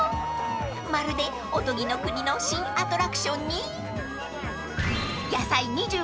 ［まるでおとぎの国の新アトラクションに］